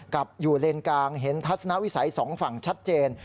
กลับอยู่เลนกลางเห็นทัศนวิสัยสองฝั่งชัดเจน